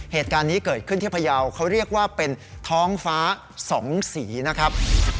เหตุการณ์นี้เกิดขึ้นที่พยาวเขาเรียกว่าเป็นท้องฟ้า๒สีนะครับ